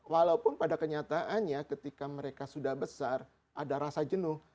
walaupun pada kenyataannya ketika mereka sudah besar ada rasa jenuh